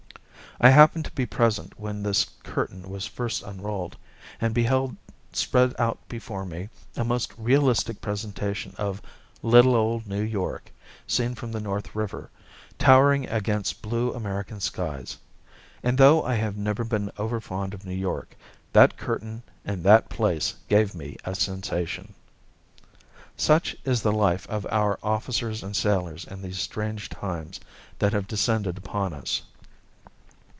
I happened to be present when this curtain was first unrolled, and beheld spread out before me a most realistic presentation of "little old New York," seen from the North River, towering against blue American skies. And though I have never been overfond of New York, that curtain in that place gave me a sensation! Such is the life of our officers and sailors in these strange times that have descended upon us.